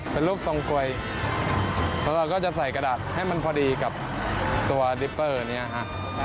เป็นรูปส่องกล่วยแล้วก็จะใส่กระดาษให้มันพอดีกับตัวดิพเปอร์เนี่ยนะฮะ